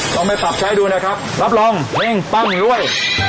ลองไปปรับใช้ดูนะครับรับรองเฮ่งปั้งด้วย